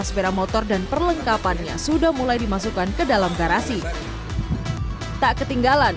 sepeda motor dan perlengkapannya sudah mulai dimasukkan ke dalam garasi tak ketinggalan